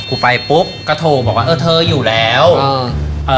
ไปปุ๊บก็โทรบอกว่าเออเธออยู่แล้วเออเอ่อ